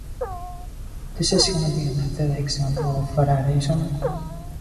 This is another example of homonyms with different meanings but the same spelling.